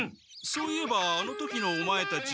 そういえばあの時のオマエたち。